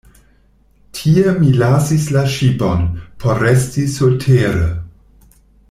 Tie mi lasis la ŝipon, por resti surtere.